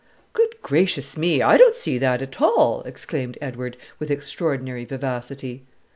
"Good gracious me! I don't see that at all," exclaimed Edward with extraordinary vivacity.